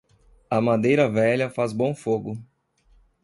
A madeira velha faz bom fogo.